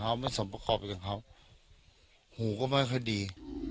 เขาไม่สมประกอบไปกับเขาหูก็ไม่ค่อยดี